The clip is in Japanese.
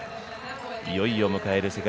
いよいよ迎える世界